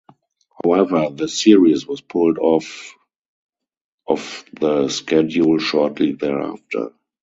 However, the series was pulled off of the schedule shortly thereafter.